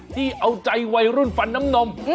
ที่เอาใจวัยรุ่นฟันน้ำนม